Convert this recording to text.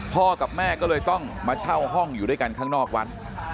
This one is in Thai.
กับแม่ก็เลยต้องมาเช่าห้องอยู่ด้วยกันข้างนอกวัด